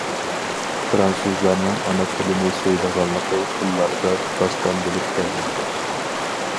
فىرانسۇزلارنىڭ ئانا تىلىنى سۆيىدىغانلىقى تىللاردا داستان بولۇپ كەلمەكتە.